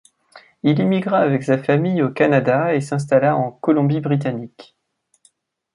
Il immigra avec sa famille au Canada et s'installa en Colombie Britannique.